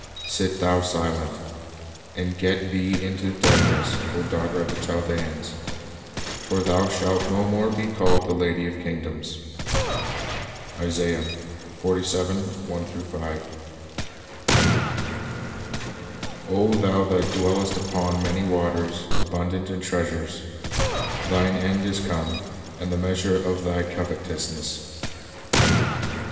... Sit thou silent, And get thee into darkness, O daughter of the Chaldeans; For thou shalt no more be called the lady of kingdoms. "* "O thou that dwellest upon many waters, abundant in treasures, Thine end is come, and the measure of thy covetousness."